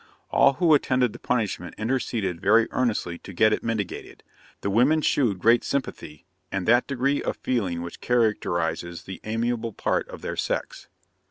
All who attended the punishment interceded very earnestly to get it mitigated: the women shewed great sympathy, and that degree of feeling which characterizes the amiable part of their sex.'